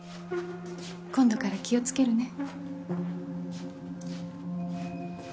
今度から気を付けるね。